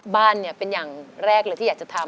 บ้านเนี่ยเป็นอย่างแรกเลยที่อยากจะทำ